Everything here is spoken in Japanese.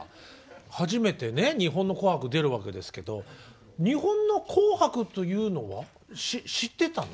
初めてね日本の「紅白」出るわけですけど日本の「紅白」というのは知ってたの？